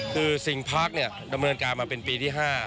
คือสิงห์ปาร์คเนี่ยดำเนินการมาเป็นปีที่๕